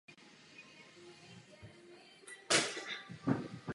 Proto se hojně stavělo ze dřeva.